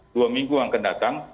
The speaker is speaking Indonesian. dua minggu yang kedatang